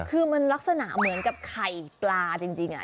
คือมันลักษณะเหมือนกับไข่ปลาจริง